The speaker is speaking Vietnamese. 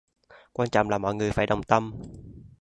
Quan trọng là mọi người phải đồng tâm